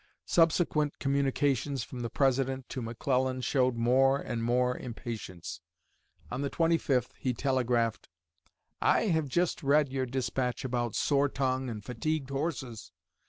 Subsequent communications from the President to McClellan showed more and more impatience. On the 25th he telegraphed: "I have just read your despatch about sore tongue and fatigued horses.